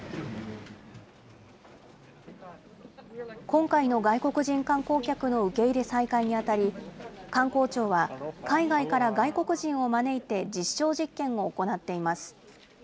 今回の外国人観光客の受け入れ再開にあたり、観光庁は、海外から外国人を招いて実証実験を行っています。